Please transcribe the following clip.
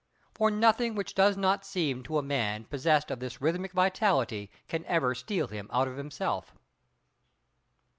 For nothing which does not seem to a man possessed of this rhythmic vitality, can ever steal him out of himself.